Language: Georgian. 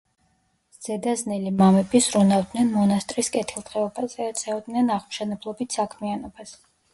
ზედაზნელი მამები ზრუნავდნენ მონასტრის კეთილდღეობაზე, ეწეოდნენ აღმშენებლობით საქმიანობას.